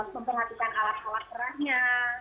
pemperhatikan alat alat terahnya